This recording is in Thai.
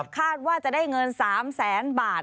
คาดว่าจะได้เงิน๓แสนบาท